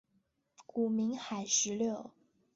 古名海石榴。